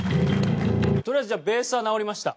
とりあえずじゃあベースは直りました。